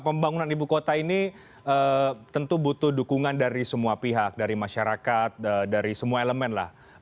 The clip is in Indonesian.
pembangunan ibu kota ini tentu butuh dukungan dari semua pihak dari masyarakat dari semua elemen lah